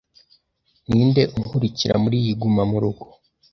Ninde unkurikira muri iyi guma guma